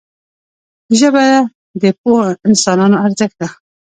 ژبه د پوهو انسانانو ارزښت ده